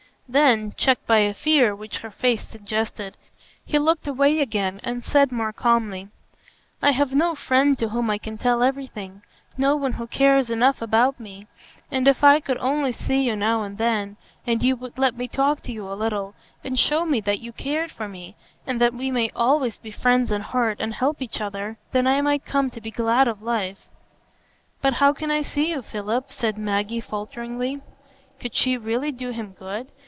Then, checked by a fear which her face suggested, he looked away again and said more calmly, "I have no friend to whom I can tell everything, no one who cares enough about me; and if I could only see you now and then, and you would let me talk to you a little, and show me that you cared for me, and that we may always be friends in heart, and help each other, then I might come to be glad of life." "But how can I see you, Philip?" said Maggie, falteringly. (Could she really do him good?